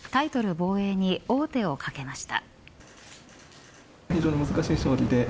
防衛に大手をかけました。